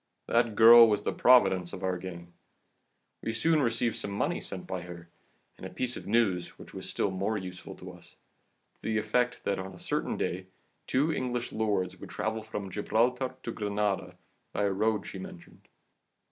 That girl was the providence of our gang. We soon received some money sent by her, and a piece of news which was still more useful to us to the effect that on a certain day two English lords would travel from Gibraltar to Granada by a road she mentioned.